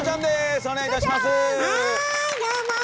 お願いいたします！